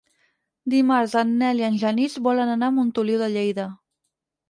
Dimarts en Nel i en Genís volen anar a Montoliu de Lleida.